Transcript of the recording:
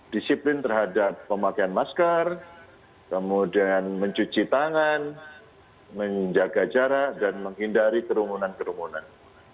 disiplin terhadap pemakaian masker kemudian mencuci tangan menjaga jarak dan menghindari kerumunan kerumunan